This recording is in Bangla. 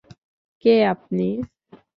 কে আপনি?